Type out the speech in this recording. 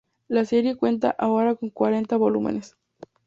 La serie cuenta ahora con cuarenta volúmenes.